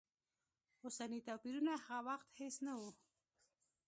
اوسني توپیرونه هغه وخت هېڅ نه و.